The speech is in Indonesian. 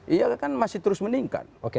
iya kan masih terus meningkat